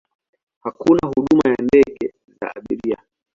Hakuna huduma ya ndege za abiria.